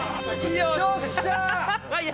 よっしゃ！